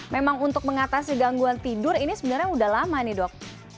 memang untuk mengatasi gangguan tidur ini sebenarnya sudah lama nih dok